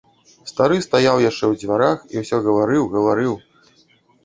Стары стаяў яшчэ ў дзвярах і ўсё гаварыў, гаварыў.